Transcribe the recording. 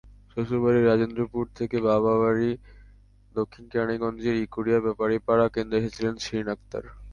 শ্বশুরবাড়ি রাজেন্দ্রপুর থেকে বাবার বাড়ি দক্ষিণ কেরানীগঞ্জের ইকুরিয়া বেপারীপাড়া কেন্দ্রে এসেছিলেন শিরিন আক্তার।